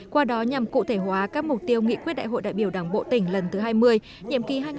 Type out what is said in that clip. qua đó nhằm cụ thể hóa các mục tiêu nghị quyết đại hội đại biểu đảng bộ tỉnh lần thứ hai mươi nhiệm kỳ hai nghìn hai mươi hai nghìn hai mươi năm